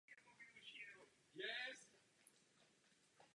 Emisní banky i ministři financí již reagovali.